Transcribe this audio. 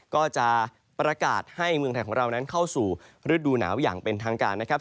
ก็จะประกาศให้เมืองไทยของเรานั้นเข้าสู่ฤดูหนาวอย่างเป็นทางการนะครับ